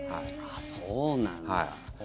そうなんだ。